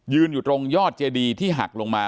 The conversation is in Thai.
อยู่ตรงยอดเจดีที่หักลงมา